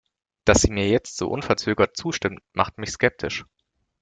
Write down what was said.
Dass sie mir jetzt so unverzögert zustimmt, macht mich skeptisch.